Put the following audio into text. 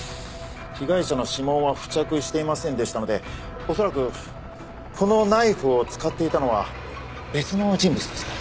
被害者の指紋は付着していませんでしたので恐らくこのナイフを使っていたのは別の人物ですね。